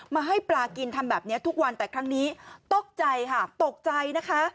มาให้ปลากินทำแบบนี้ทุกวันแต่ครั้งนี้ตกใจค่ะตกใจนะคะ